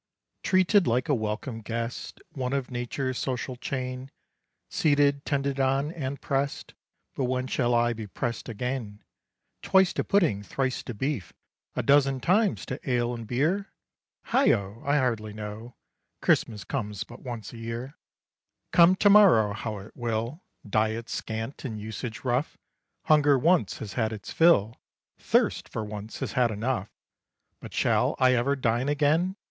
"Treated like a welcome guest, One of Nature's social chain, Seated, tended on, and press'd But when shall I be press'd again, Twice to pudding, thrice to beef, A dozen times to ale and beer? Heigho! I hardly know Christmas comes but once a year. "Come to morrow how it will; Diet scant and usage rough, Hunger once has had its fill, Thirst for once has had enough, But shall I ever dine again?